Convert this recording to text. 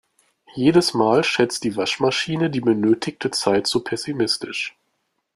Jedes Mal schätzt die Waschmaschine die benötigte Zeit zu pessimistisch.